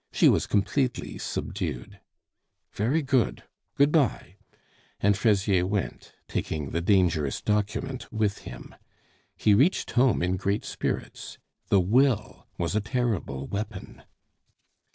She was completely subdued. "Very good. Good bye," and Fraisier went, taking the dangerous document with him. He reached home in great spirits. The will was a terrible weapon.